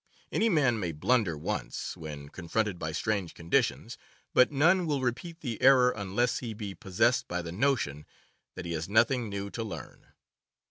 Any man may blunder once, when confronted by strange conditions; but none will repeat the error unless he be possessed by the notion that he has nothing new to learn.